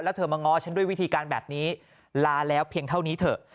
แล้วเธอมาง้อฉันด้วยวิธีการแบบนี้ลาแล้วเพียงเท่านี้เถอะ